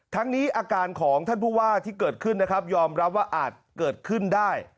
ทั้งนี้อาการของท่านผู้ว่าที่เกิดขึ้นนะครับยอมรับว่าอาจเกิดขึ้นได้